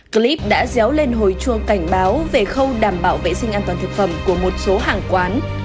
clip đã déo lên hồi chuông cảnh báo về khâu đảm bảo vệ sinh an toàn thực phẩm của một số hàng quán